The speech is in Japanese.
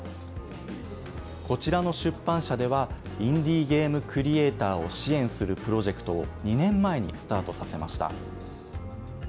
こちらの出版社では、インディーゲームクリエーターを支援するプロジェクトを２年前にスタートさせました。